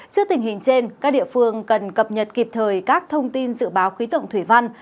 trước tình hình trên các địa phương cần cập nhật kịp thời các thông tin dự báo khí tượng thủy văn